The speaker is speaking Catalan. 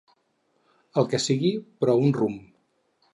El que sigui, però un rumb.